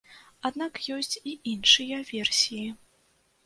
Аднак ёсць і іншыя версіі.